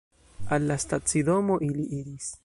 Al la stacidomo ili iris.